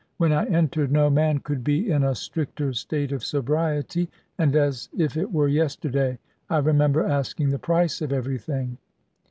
When I entered, no man could be in a stricter state of sobriety: and as if it were yesterday, I remember asking the price of everything.